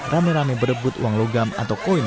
rame rame berebut uang logam atau koin